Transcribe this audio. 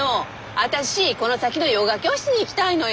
私この先のヨガ教室に行きたいのよ。